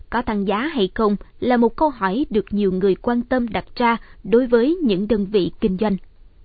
có tăng giá hay không là một câu hỏi được nhiều người quan tâm đặt ra đối với những đơn vị kinh doanh